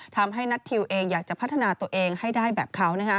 นัททิวเองอยากจะพัฒนาตัวเองให้ได้แบบเขา